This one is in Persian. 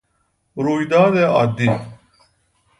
رویداد عادی